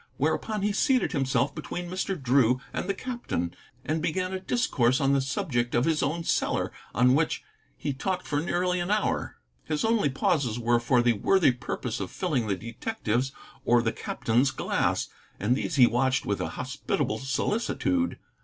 Whereupon he seated himself between Mr. Drew and the captain and began a discourse on the subject of his own cellar, on which he talked for nearly an hour. His only pauses were for the worthy purpose of filling the detective's or the captain's glass, and these he watched with a hospitable solicitude.